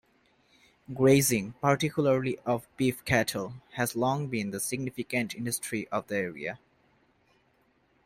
Grazing, particularly of beef cattle, has long been the significant industry of the area.